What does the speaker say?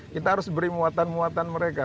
kita harus beri muatan muatan mereka